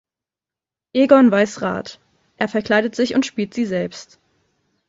Egon weiß Rat: Er verkleidet sich und spielt sie selbst.